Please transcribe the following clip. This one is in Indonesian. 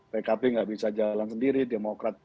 pkb nggak bisa jalan sendiri demokrat